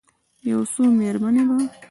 یو څو میرمنې به،